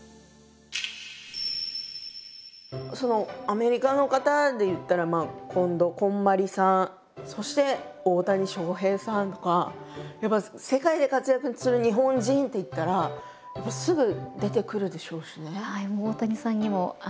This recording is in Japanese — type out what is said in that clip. アメリカの方でいったらまあ近藤こんまりさんそして大谷翔平さんとかやっぱり世界で活躍する日本人っていったらすぐ出てくるでしょうしね。